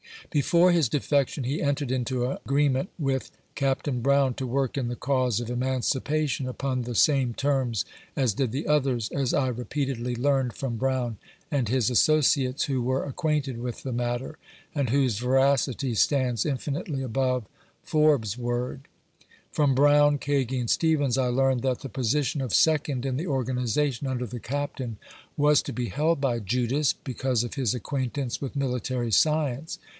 Before his defection, he entered into agreement with Capt. Brown to work in the cause of emancipation upon the 18 A VOICE JBOM HARPER^ MERRY. same terms as did the others, as I repeatedly learned from Brown and his associates, who were acquainted with the mat ter, and whose veracity stands infinitely above Forbes' word, from Brown, Kagi and Stevens, I learned that the position of second in the organization under the Captain was to be held by "Judas," because of hip acquaintance with military science.